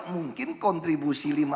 dengan menampilkan kontribusi tambahan